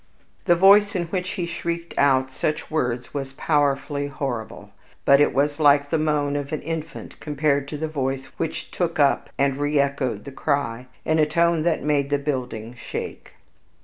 The voice in which he shrieked out such words was powerfully horrible, but it was like the moan of an infant compared to the voice which took up and reechoed the cry, in a tone that made the building shake.